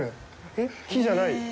えっ、木じゃない？